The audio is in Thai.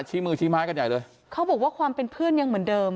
ชี้มือชี้ไม้กันใหญ่เลยเขาบอกว่าความเป็นเพื่อนยังเหมือนเดิม